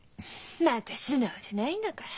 また素直じゃないんだから。